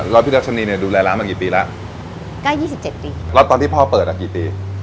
แล้วพี่ดัชนีเนี่ยดูแลร้านมากี่ปีแล้วก็ยี่สิบเจ็ดปีแล้วตอนที่พ่อเปิดอ่ะกี่ปี